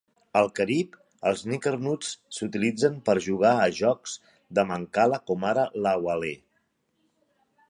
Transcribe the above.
Al Carib, els nickernuts s'utilitzen per jugar a jocs de mancala com ara l'aualé.